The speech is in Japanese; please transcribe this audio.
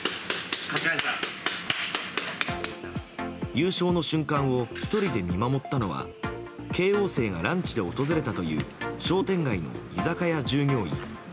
優勝の瞬間を１人で見守ったのは慶應生がランチで訪れたという商店街の居酒屋従業員。